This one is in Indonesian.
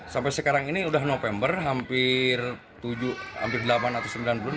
sampai sekarang ini sudah november hampir tujuh hampir delapan atau sembilan bulan